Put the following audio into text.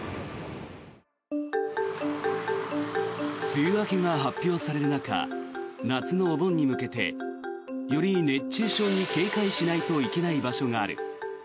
梅雨明けが発表される中夏のお盆に向けてより熱中症に警戒しないといけない場所がある。